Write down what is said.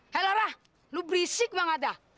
hei laura lo berisik bang ada